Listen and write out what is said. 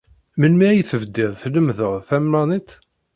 Melmi ay tebdiḍ tlemmdeḍ talmanit?